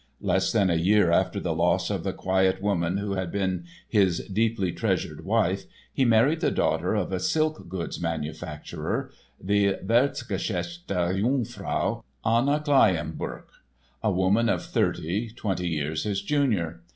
Less than a year after the loss of the quiet woman who had been his "deeply treasured wife" he married the daughter of a silk goods manufacturer, the "wertgeschätzte Jungfrau" Anna Kleyenböck, a woman of thirty, twenty years his junior.